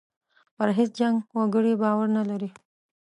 پر هیچ جنګ و جګړې باور نه لري.